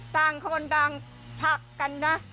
ต่างคนต่างทักกันนะ